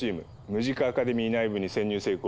ムジカ・アカデミー内部に潜入成功。